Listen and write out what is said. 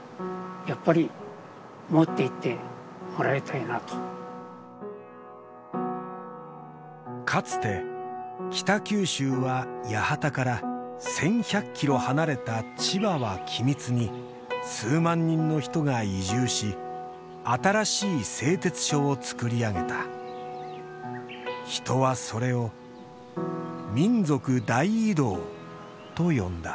やっぱり持っていってもらいたいなとかつて北九州は八幡から１１００キロ離れた千葉は君津に数万人の人が移住し新しい製鉄所をつくりあげた人はそれを「民族大移動」と呼んだ